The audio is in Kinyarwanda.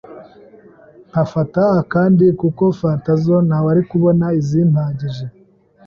nkafata akandi kuko fanta zo ntawari kubona izimpagije